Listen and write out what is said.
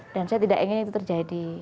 dan saya tidak ingin itu terjadi